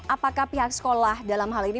apakah pihak sekolah dalam hal ini